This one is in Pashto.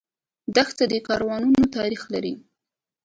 دښته د کاروانونو تاریخ لري.